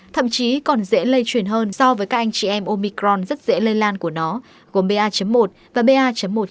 thậm chí còn dễ lây truyền hơn so với các anh chị em omicron rất dễ lây lan của nó gồm pa một và pa một một